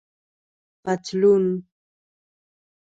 👖پطلون